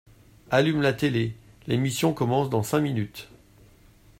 Allume la télé, l'émission commence dans cinq minutes.